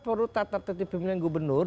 perlu tata tertib pemilihan gubernur